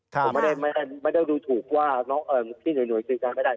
ผมไม่ได้รู้ถูกว่าพี่หน่วยซิวนั้นก็ไม่ได้